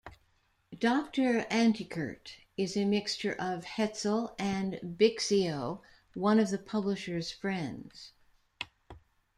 Doctor Antekirtt is a mixture of Hetzel and Bixio, one of the publisher's friends.